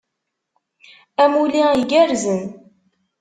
Amulli igerrzen.